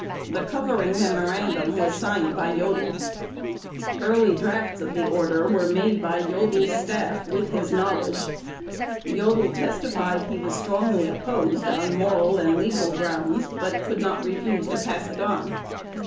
The covering memorandum was signed by Jodl. Early drafts of the order were made by Jodl's staff, with his knowledge. Jodl testified he was strongly opposed on moral and legal grounds, but could not refuse to pass it on.